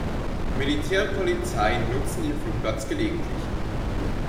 Militär und Polizei nutzen den Flugplatz gelegentlich.